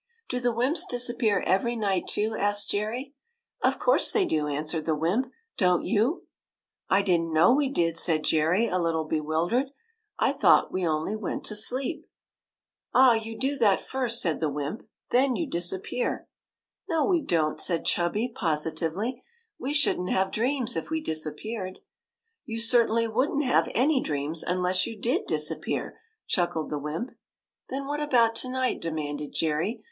" Do the wymps disappear every night, too ?" asked Jerry. '^Of course they do," answered the wymp. « Don't you ?"" I did n't know we did," said Jerry, a little bewildered. " I thought we only went to sleep." 12 178 THE KITE THAT "Ah, you do that first," said the wymp. " Then you disappear." " No, we don't," said Chubby, positively. '' We should n't have dreams if we disappeared." " You certainly would n't have any dreams unless you did disappear," chuckled the wymp. '' Then what about to night ?" demanded Jerry.